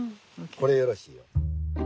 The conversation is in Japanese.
これよろしいよ。